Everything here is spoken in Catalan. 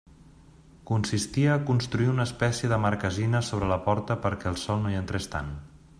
Consistia a construir una espècie de marquesina sobre la porta perquè el sol no hi entrés tant.